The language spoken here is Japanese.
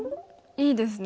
いいですね